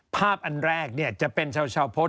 ภาพอันแรกจะเป็นชาวชาวโพสต์